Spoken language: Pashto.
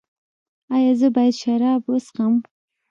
ایا زه باید شراب وڅښم؟